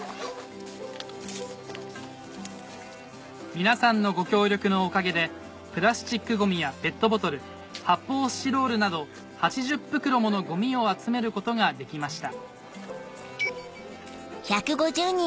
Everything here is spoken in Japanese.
皆さんのご協力のおかげでプラスチックゴミやペットボトル発泡スチロールなど８０袋ものゴミを集めることができました